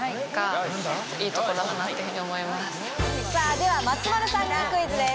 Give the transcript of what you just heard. では松丸さんにクイズです。